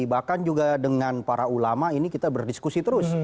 bahkan juga dengan para ulama ini kita berdiskusi terus